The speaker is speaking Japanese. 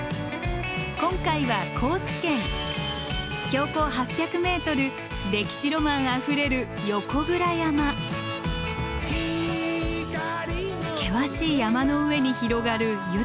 今回は高知県標高８００ｍ歴史ロマンあふれる険しい山の上に広がる豊かな森。